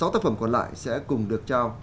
sáu tác phẩm còn lại sẽ cùng được trao